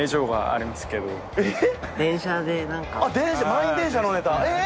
満員電車のネタえ！